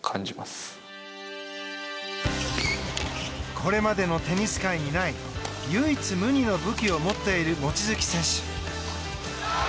これまでのテニス界にない唯一無二の武器を持っている望月選手。